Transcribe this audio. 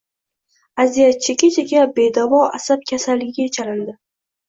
Aziyat cheka-cheka, bedavo asab kasalligiga chalindi